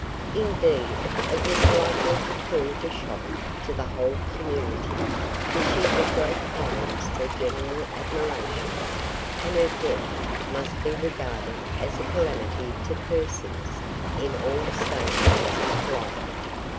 Indeed, it was likely to prove a shock to the whole community, for she had great claims to general admiration, and her death must be regarded as a calamity to persons in all stations of life.